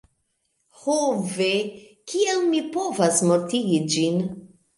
Ho ve! Kiel mi povas mortigi ĝin?